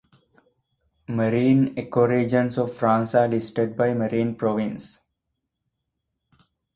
Marine ecoregions of France are listed by marine province.